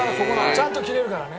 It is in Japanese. ちゃんと切れるからね。